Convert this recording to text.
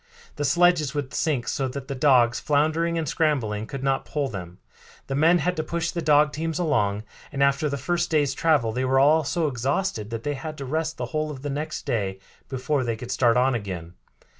The sledges would sink so that the dogs, floundering and scrambling, could not pull them. The men had to push the dog teams along, and after the first day's travel they were all so exhausted that they had to rest the whole of the next day before they could start on again.